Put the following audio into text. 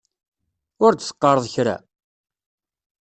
Ur d-teqqareḍ kra?